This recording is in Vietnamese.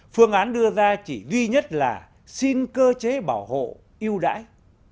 phương án đưa ra chỉ duy nhất là xin cơ chế bảo hộ yêu đãi